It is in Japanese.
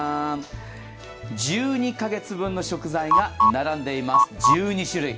１２カ月分の食材が並んでいます、１２種類。